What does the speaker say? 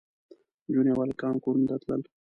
نجونې او هلکان کورونو ته تلل.